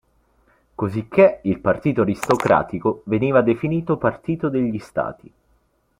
Cosicché il partito aristocratico veniva definito partito degli Stati.